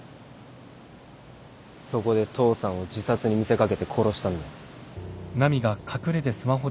そこで父さんを自殺に見せ掛けて殺したんだ。